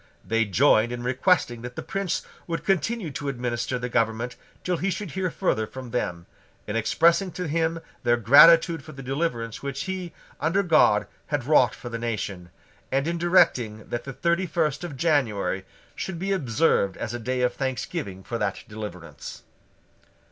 They joined in requesting that the Prince would continue to administer the government till he should hear further from them, in expressing to him their gratitude for the deliverance which he, under God, had wrought for the nation, and in directing that the thirty first of January should be observed as a day of thanksgiving for that deliverance.